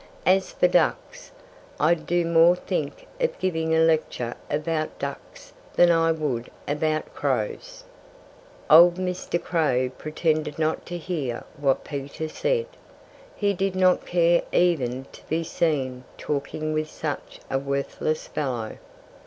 As for ducks I'd no more think of giving a lecture about ducks than I would about crows." Old Mr. Crow pretended not to hear what Peter said. He did not care even to be seen talking with such a worthless fellow.